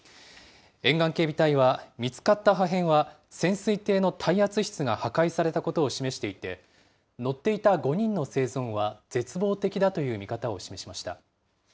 沿岸警備隊は、見つかった破片は潜水艇の耐圧室が破壊されたことを示していて、乗っていた５人の生存は絶望的だという見方を示しました。